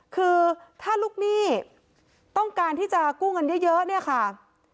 คือถ้าลูกหนี้ต้องการที่จะกู้เงินเยอะเนี่ยค่ะ